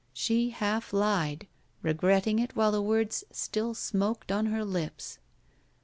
She half lied, regretting it while the words still smoked on her lips.